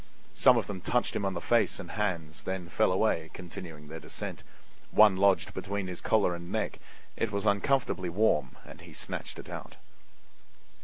Some of them touched him on the face and hands, then fell away, continuing their descent. One lodged between his collar and neck; it was uncomfortably warm and he snatched it out.